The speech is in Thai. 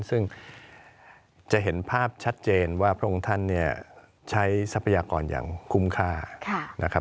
ซึ่งจะเห็นภาพชัดเจนว่าพระองค์ท่านเนี่ยใช้ทรัพยากรอย่างคุ้มค่านะครับ